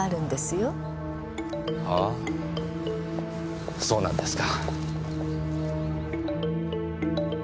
あぁそうなんですか。